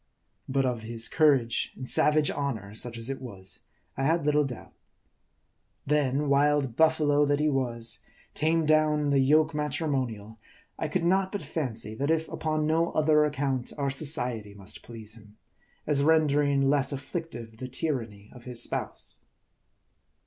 But of his courage, and savage 118 MARDI. honor, such as it was, I had little doubt. Then, wild buffalo that he was, tamed down in the yoke matrimonial, I could not but fancy, that if upon no other account, our society must please him, as rendering less afflictive the tyranny of his spouse.